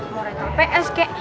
mau rental ps kek